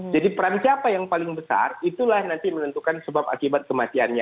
jadi peran siapa yang paling besar itulah nanti menentukan sebab akibat kematiannya